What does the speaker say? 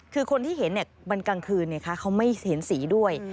คือคนที่เห็นวันกลางคืนเขาไม่เห็นสีด้วย